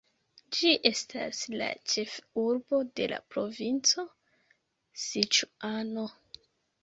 Ĝi estas la ĉef-urbo de la provinco Siĉuano.